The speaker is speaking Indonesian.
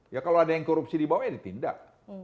ya kalau ada yang korupsi di bawah ya ditindak